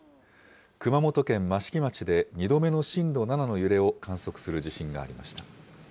熊本県益城町で２度目の震度７の揺れを観測する地震がありました。